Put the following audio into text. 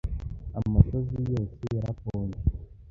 amosozi yose yarakonje